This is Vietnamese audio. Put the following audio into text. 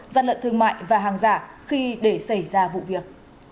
gian lận thương mại và hàng giả khi để xảy ra vụ việc